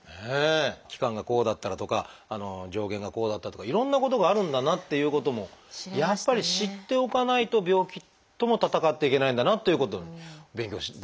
期間がこうだったらとか上限がこうだったとかいろんなことがあるんだなっていうこともやっぱり知っておかないと病気とも闘っていけないんだなということ勉強できますね。